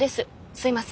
すいません